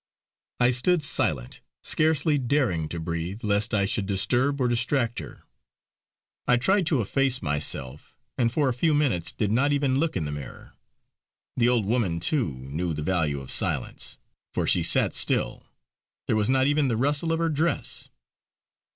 I stood silent, scarcely daring to breathe lest I should disturb or distract her. I tried to efface myself, and for a few minutes did not even look in the mirror. The old woman too, knew the value of silence, for she sat still; there was not even the rustle of her dress.